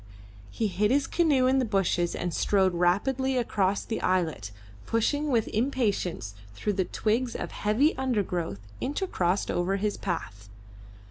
He hid his canoe in the bushes and strode rapidly across the islet, pushing with impatience through the twigs of heavy undergrowth intercrossed over his path.